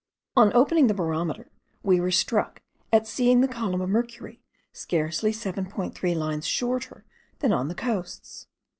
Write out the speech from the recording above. On opening the barometer we were struck at seeing the column of mercury scarcely 7.3 lines shorter than on the coasts.